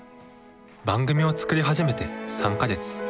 番組を作り始めて３か月。